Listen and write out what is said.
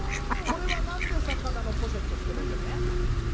これは、なんで魚のポシェットしてるんですか？